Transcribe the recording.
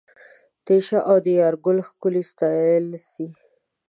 د تېشه او د یارګل ښکلل ستایل سي